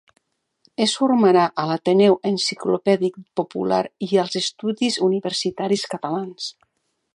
Es formà a l'Ateneu Enciclopèdic Popular i als Estudis Universitaris Catalans.